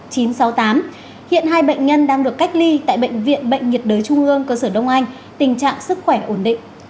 hiện hai bệnh nhân đang được cách ly tại bệnh viện bệnh nhiệt đới trung ương cơ sở đông anh tình trạng sức khỏe ổn định